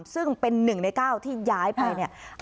ซึ่งเป็นหนึ่งในก้าวที่ย้ายไปเนี่ย